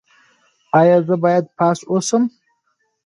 ایا زه باید پاس اوسم؟